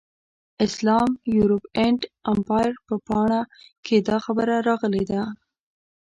اسلام، یورپ اینډ امپایر په پاڼه کې دا خبره راغلې ده.